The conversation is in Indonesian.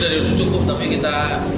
dari cukup tapi kita